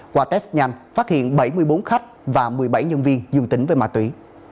qua test nhanh phát hiện bảy mươi bốn khách và một mươi bảy nhân viên dương tính với ma túy